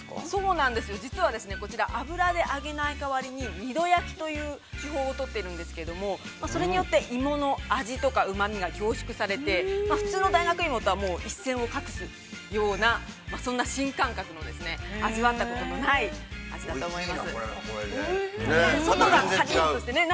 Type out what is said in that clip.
◆そうなんですよ、実は、油で揚げない代わりに、二度焼きという、技法を取っているんですけれども、それによって芋の足とかうまみが凝縮されて、普通の大学芋とは、一線を画すような、そんな新感覚の、味わったことのない味だと思います。